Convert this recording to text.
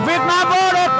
việt nam vô lực